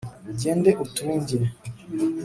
ugende utunge